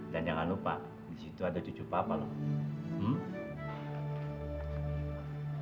dan jangan lupa disitu ada cucu papa loh